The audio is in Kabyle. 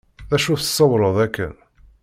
D acu tṣewwreḍ akken?